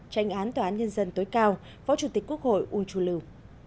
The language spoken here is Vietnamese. tranh án tòa án nhân dân tối cao phó chủ tịch quốc hội unchulu